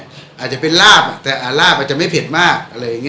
อาจจะเป็นราบแต่ราบอาจจะไม่เผ็ดมาก